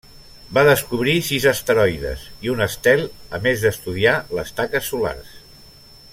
Va descobrir sis asteroides i un estel, a més d'estudiar les taques solars.